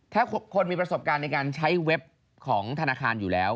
ถ้าคนมีประสบการณ์ในการใช้เว็บของธนาคารอยู่แล้ว